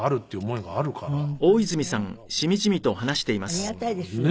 ありがたいですよね。